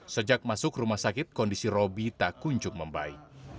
sejak masuk rumah sakit kondisi robi tak kunjung membaik